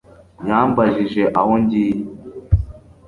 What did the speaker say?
Yambajije aho ngiye